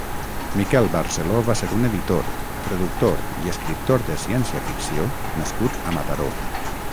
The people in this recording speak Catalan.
Miquel Barceló va ser un editor, traductor i escriptor de ciència-ficció nascut a Mataró.